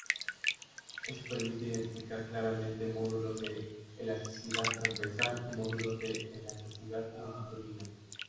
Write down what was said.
Eso permite identificar claramente módulos de elasticidad transversal y módulos de elasticidad longitudinal.